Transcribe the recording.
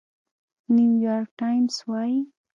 نيويارک ټايمز وايي،